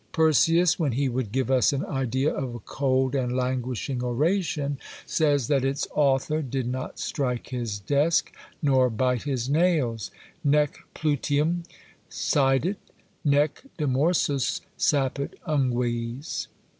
Persius, when he would give us an idea of a cold and languishing oration, says that its author did not strike his desk nor bite his nails." Nec pluteum cædit, nec demorsos sapit ungues.